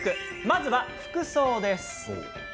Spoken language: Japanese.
まずは服装です。